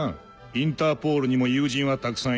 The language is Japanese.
インターポールにも友人はたくさんいる。